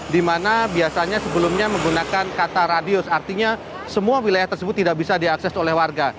di mana biasanya sebelumnya menggunakan kata radius artinya semua wilayah tersebut tidak bisa diakses oleh warga